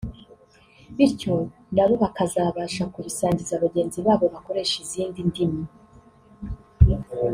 bityo nabo bakazabasha kubisangiza bagenzi babo bakoresha izindi ndimi